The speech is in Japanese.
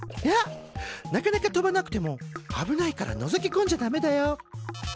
なかなか飛ばなくても危ないからのぞきこんじゃダメだよ。